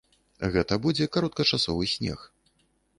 Гэта будзе кароткачасовы снег.